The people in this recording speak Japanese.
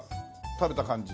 食べた感じ。